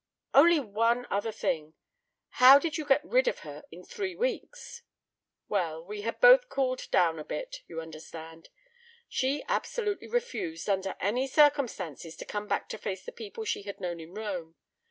"Only one other thing. How did you get rid of her in three weeks?" "Well, we had both cooled down a bit, you understand. She absolutely refused, under any circumstances, to come back to face the people she had known in Rome.